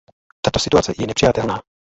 Tato situace je nepřijatelná.